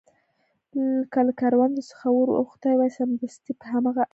که له کروندو څخه ور اوښتي وای، سمدستي په هاغه اړخ کې.